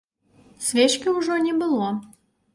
Свечкі ўжо не было.